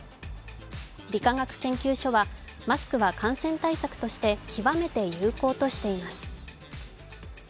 理化学研究所はマスクは感染対策として極めて有効としています。